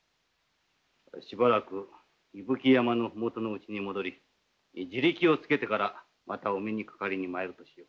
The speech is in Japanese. しばらく伊吹山の麓のうちに戻り地力をつけてからまたお目にかかりに参るとしよう。